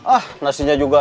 ah nasinya juga